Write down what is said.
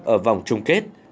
ở vòng chung kết